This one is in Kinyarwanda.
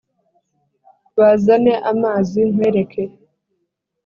bazane amazi nkwereke